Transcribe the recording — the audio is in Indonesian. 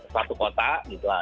satu kota gitu lah